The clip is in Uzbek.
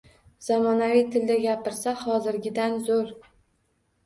Zamonaviy tilda gapirsa hozirgidan zo’r.